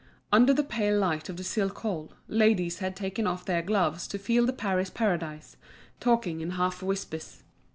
Under the pale light of the silk hall, ladies had taken off their gloves to feel the Paris Paradise, talking in half whispers.